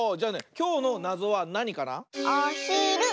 きょうのなぞはなにかな？